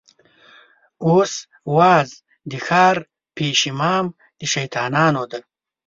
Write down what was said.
اوس واعظ د ښار پېش امام د شيطانانو دی